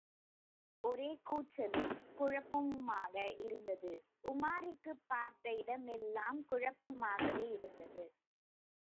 ஒரே கூச்சலும் குழப்பமுமாக இருந்தது, உமாருக்குப் பார்த்த இடமெல்லாம் குழப்பமாகவேயிருந்தது.